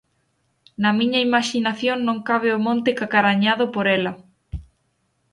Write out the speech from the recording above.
Na miña imaxinación non cabe o monte cacarañado por ela.